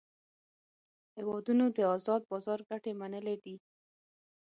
هیوادونو د آزاد بازار ګټې منلې دي